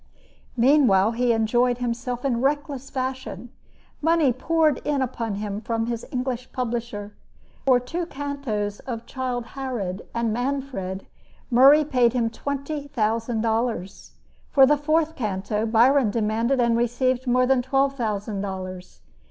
Meanwhile he enjoyed himself in reckless fashion. Money poured in upon him from his English publisher. For two cantos of "Childe Harold" and "Manfred," Murray paid him twenty thousand dollars. For the fourth canto, Byron demanded and received more than twelve thousand dollars.